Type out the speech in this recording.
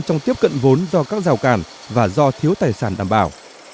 trong tiếp cận vốn do các rào cản và do thiếu tài sản đảm bảo